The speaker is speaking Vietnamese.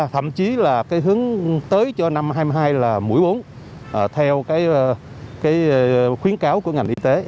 thậm chí là cái hướng tới cho năm hai nghìn hai mươi hai là mũi bốn theo khuyến cáo của ngành y tế